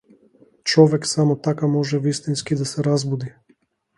Човек само така може вистински да се разбуди.